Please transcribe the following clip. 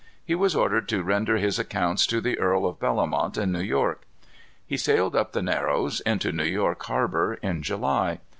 He was ordered to render his accounts to the Earl of Bellomont in New York. He sailed up the Narrows, into New York harbor, in July.